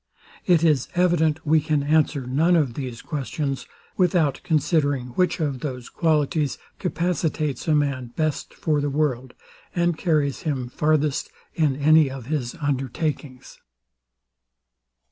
It is evident we can answer none of these questions, without considering which of those qualities capacitates a man best for the world, and carries him farthest in any of his undertakings.